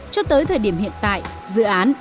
cho tới thời điểm hiện tại dự án